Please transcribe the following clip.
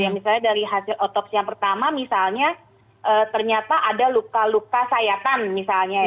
misalnya dari hasil otopsi yang pertama misalnya ternyata ada luka luka sayatan misalnya ya